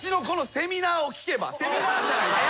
セミナーじゃないけど。